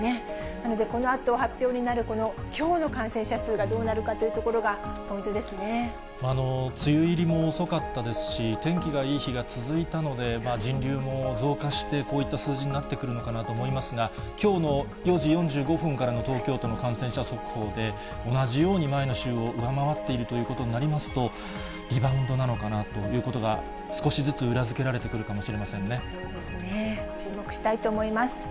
なので、このあと発表になるきょうの感染者数がどうなるかというところが梅雨入りも遅かったですし、天気がいい日が続いたので、人流も増加して、こういった数字になってくるのかなと思いますが、きょうの４時４５分からの東京都の感染者速報で、同じように前の週を上回っているということになりますと、リバウンドなのかなということが、少しずつ裏付けられてくるかもしそうですね、注目したいと思います。